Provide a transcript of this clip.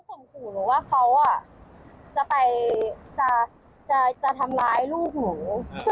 หนูรู้ว่าเขาจะทำร้ายลูกหนู